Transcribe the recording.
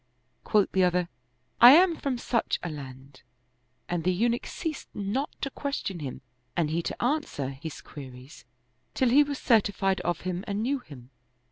Quoth the other, " I am from such a land," and the Eunuch ceased not to question hini and he to answer his queries, till he was certified of him and knew him.